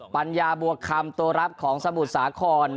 ปัญญาบัวคำตัวรับของสมุทรสาคร